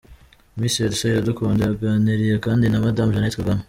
Miss Elsa Iradukunda yaganiriye kandi na Madame Jeannette Kagame.